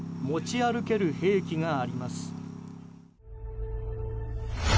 持ち歩ける兵器があります。